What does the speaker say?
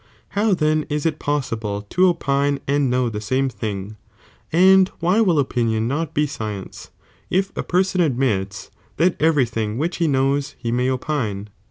«»«:. How then is it possihlef to opine and know tTiyisri the same thing, and why will opinion not be sci ^l^fij^' ence^ if a person admits that every thing which eet,""iti he knows he may opine